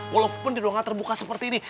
walaupun di ruangan terbuka seperti ini